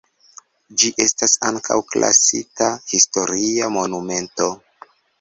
Ĝi estas ankaŭ klasita historia monumento.